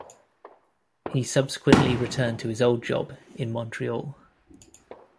He subsequently returned to his old job in Montreal.